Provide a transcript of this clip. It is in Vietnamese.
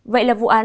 vậy là vụ án vạc